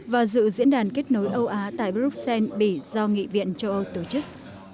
và dự diễn đàn kết nối âu á tại bruxelles bỉ do nghị viện châu âu tổ chức